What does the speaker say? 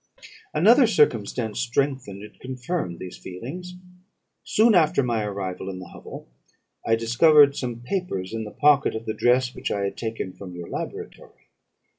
"Another circumstance strengthened and confirmed these feelings. Soon after my arrival in the hovel, I discovered some papers in the pocket of the dress which I had taken from your laboratory.